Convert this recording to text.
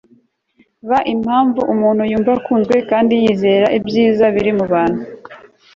ba impamvu umuntu yumva akunzwe kandi yizera ibyiza biri mu bantu